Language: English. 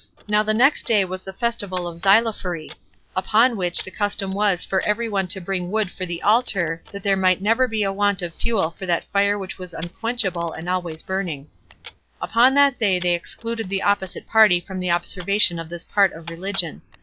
Now the next day was the festival of Xylophory; upon which the custom was for every one to bring wood for the altar [that there might never be a want of fuel for that fire which was unquenchable and always burning]. Upon that day they excluded the opposite party from the observation of this part of religion.